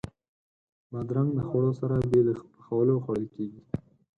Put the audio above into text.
بادرنګ د خوړو سره بې له پخولو خوړل کېږي.